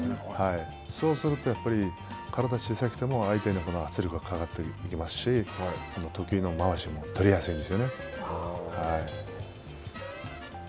そうすると、体が小さくても相手に圧力がかかっていきますし、得意のまわしも取りやすいんですよね。